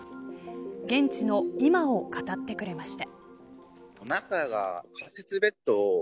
現地の今を語ってくれました。